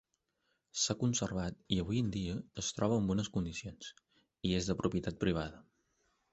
S'ha conservat i avui en dia es troba en bones condicions, i és de propietat privada.